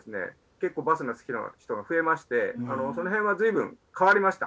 結構バスが好きな人が増えましてその辺は随分変わりました。